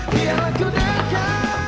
biar aku dengar